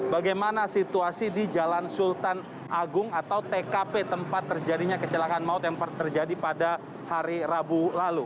bagaimana situasi di jalan sultan agung atau tkp tempat terjadinya kecelakaan maut yang terjadi pada hari rabu lalu